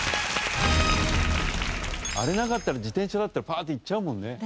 あれなかったら自転車だったらパーッて行っちゃうもんね。